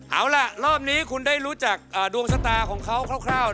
เอาล่ะรอบนี้คุณได้รู้จักดวงชะตาของเขาคร่าว